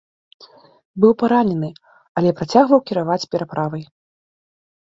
Быў паранены, але працягваў кіраваць пераправай.